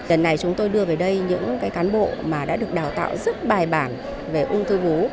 lần này chúng tôi đưa về đây những cán bộ mà đã được đào tạo rất bài bản về ung thư vú